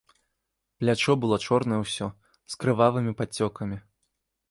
Плячо было чорнае ўсё, з крывавымі падцёкамі.